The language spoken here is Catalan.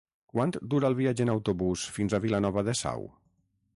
Quant dura el viatge en autobús fins a Vilanova de Sau?